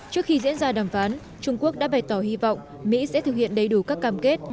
trước khi diễn ra đàm phán trung quốc đã bày tỏ hy vọng mỹ sẽ thực hiện đầy đủ các cam kết